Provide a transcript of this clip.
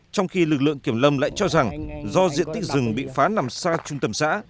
trong khi lực lượng kiểm lâm lại cho rằng do diện tích rừng bị phá nằm xa trung tâm xã